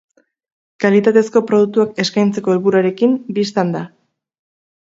Kalitatezko produktuak eskaintzeko helburuarekin, bistan da.